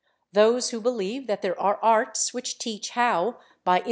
Those who believe that there are arts which teach how, by invo * MSS.